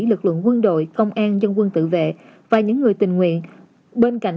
lực lượng quân đội công an dân quân tự vệ và những người tình nguyện